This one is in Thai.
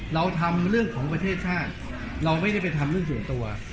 เราทำเรื่องของประเทศชาติเราไม่ได้ไปทำเรื่องส่วนตัว